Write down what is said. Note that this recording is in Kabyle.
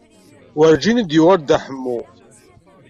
Werǧin i d-yuɣal Dda Ḥemmu.